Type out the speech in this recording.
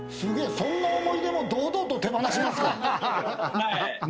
そんな思い出も堂々と手放しますか。